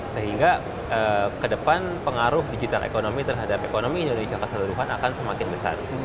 sehingga ke depan pengaruh digital economy terhadap ekonomi indonesia keseluruhan akan semakin besar